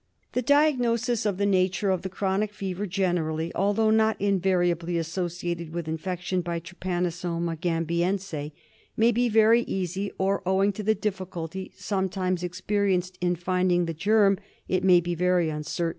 The diagnosis of the nature of the chronic fever generally, although not invariably, associated with infec tion by Trypanosoma gambiense may be very easy or, owing to the difficulty sometimes experienced in finding the germ, it mav be very uncertain.